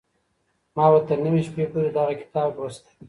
ما به تر نيمي شپې پوري دغه کتاب لوست.